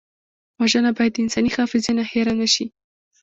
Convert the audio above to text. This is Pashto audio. وژنه باید د انساني حافظې نه هېره نه شي